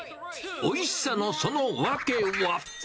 おいしさのその訳は。